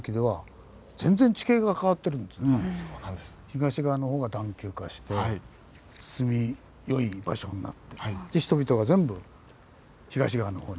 東側の方が段丘化して住みよい場所になって人々が全部東側の方に来る。